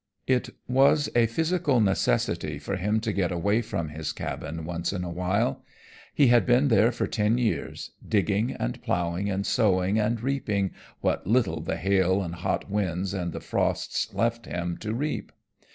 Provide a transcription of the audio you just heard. It was a physical necessity for him to get away from his cabin once in a while. He had been there for ten years, digging and plowing and sowing, and reaping what little the hail and the hot winds and the frosts left him to reap.